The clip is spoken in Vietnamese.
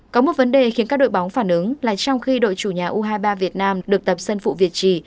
có một vấn đề khiến các đội bóng phản ứng là trong khi đội chủ nhà u hai mươi ba việt nam được tập sân phụ việt trì